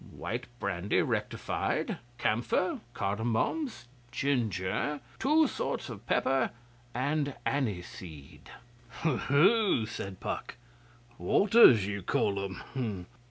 'White brandy rectified, camphor, cardamoms, ginger, two sorts of pepper, and aniseed.' 'Whew!' said Puck. 'Waters you call 'em!